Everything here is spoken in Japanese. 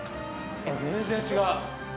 全然違う。